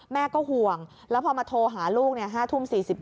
แม่ก็ห่วงแล้วพอมาโทรหาลูก๕ทุ่ม๔๗